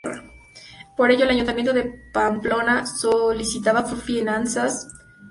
Por ello, el ayuntamiento de Pamplona solicitaba fianzas para su realización.